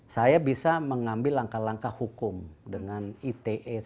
saya bisa mengambil langkah langkah hukum dengan ite